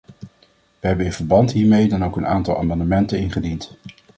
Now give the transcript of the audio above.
We hebben in verband hiermee dan ook een aantal amendementen ingediend.